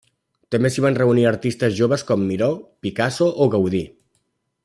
També s'hi van reunir artistes joves com Miró, Picasso o Gaudí.